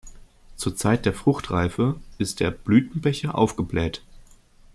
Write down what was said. Zur Zeit der Fruchtreife ist der Blütenbecher aufgebläht.